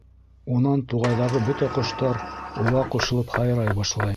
Унан туғайҙағы бөтә ҡоштар уға ҡушылып һайрай башлай...